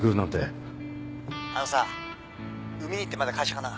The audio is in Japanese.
あのさ海兄ってまだ会社かな？